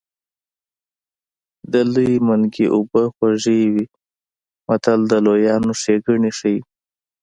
د لوی منګي اوبه خوږې وي متل د لویانو ښېګڼې ښيي